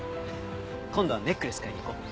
今度はネックレス買いに行こう。